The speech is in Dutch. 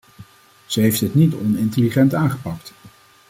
Ze heeft het niet onintelligent aangepakt.